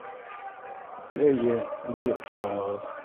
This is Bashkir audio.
Эйе, белеп тораһығыҙ!